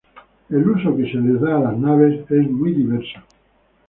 El uso que se les da a las naves es muy diverso.